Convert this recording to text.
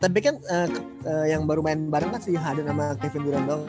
tapi kan yang baru main bareng kan si harden sama kevin durandong